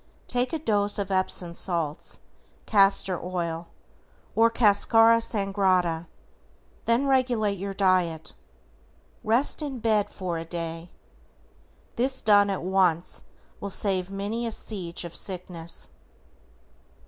Take a dose of epsom salts, castor oil, or cascara sagrada, then regulate your diet. REST IN BED FOR A DAY. This done at once will save many a siege of sickness.